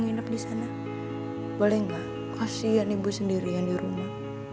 nginep di sana boleh nggak kasian ibu sendirian di rumah